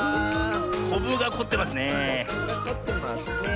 こぶがこってますねえ。